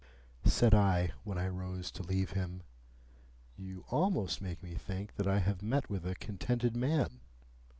Said I, when I rose to leave him, "You almost make me think that I have met with a contented man."